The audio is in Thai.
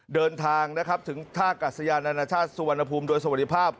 เดินทางนะครับถึงท่ากัศยานานาชาติสุวรรณภูมิโดยสวัสดีภาพ